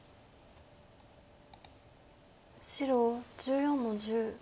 白１４の十。